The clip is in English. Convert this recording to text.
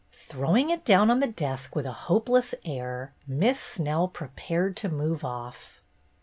Throwing it down on the desk with a hope less air. Miss Snell prepared to move oflf.